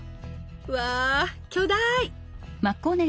うわ巨大！